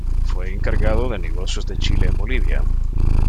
Fue encargado de negocios de Chile en Bolivia.